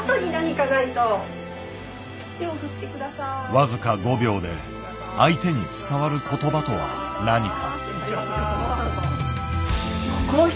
僅か５秒で相手に伝わる言葉とは何か。